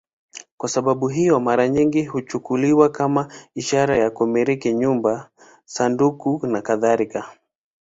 Kwa sababu hiyo, mara nyingi huchukuliwa kama ishara ya kumiliki nyumba, sanduku nakadhalika.